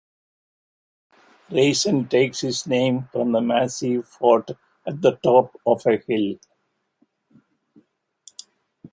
Raisen takes its name from the massive fort at the top of a hill.